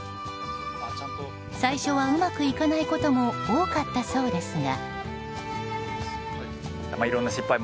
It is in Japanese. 最初はうまくいかないことも多かったそうですが。